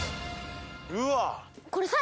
うわっ。